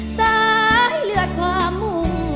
สายเลือดความมุ่ง